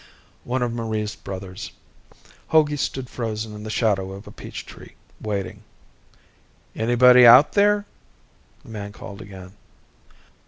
One of Marie's brothers. Hogey stood frozen in the shadow of a peach tree, waiting. "Anybody out there?" the man called again.